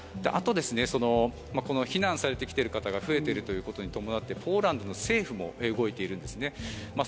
あとはこの避難されてきている方が増えていることに伴ってポーランドの政府も動いているんですね。